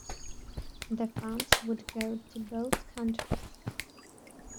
The funds would go to both countries.